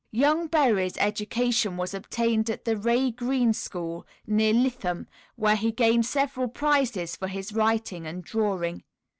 Young Berry's education was obtained at the Wrea Green School, near Lytham, where he gained several prizes for his writing and drawing.